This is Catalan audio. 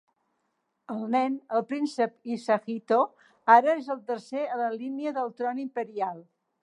El nen, el príncep Hisahito, ara és el tercer a la línia del Tron Imperial.